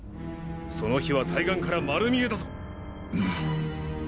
その火は対岸から丸見えだぞ！